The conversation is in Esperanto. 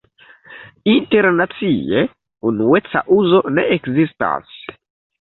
Internacie unueca uzo ne ekzistas.